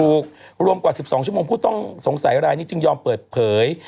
รวมกว่า๑๒ชั่วโมงผู้ต้องสงสัยรายนี้จึงยอมเปิดเผย